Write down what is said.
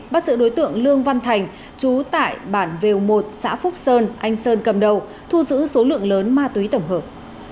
bắt giữ đối tượng lương văn thành chú tại bản vèo một xã phúc sơn anh sơn cầm đầu thu giữ số lượng lớn ma túy tổng hợp